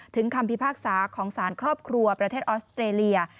คำพิพากษาของสารครอบครัวประเทศออสเตรเลีย